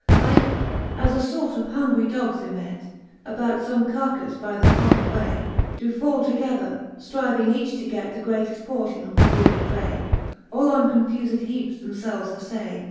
XVII. Like as a fort of hungry dogs ymet About fome carcafe by the common way, Doe fall together, ftryving each to get The greateft portion of the greedie pray ; All on confufed heapes themfelves affay.